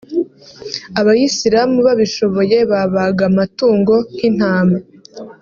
abayisilamu babishoboye babaga amatungo nk’intama